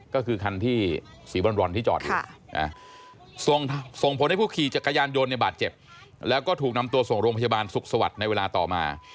ก็คือคันที่สีบรอนที่จอดอยู่ส่งผลให้ผู้ขี่จักรยานยนต์บาดเจ็บแล้วก็ถูกนำตัวส่งโรงพยาบาลสุขสวัสดิ์ในเวลาต่อมา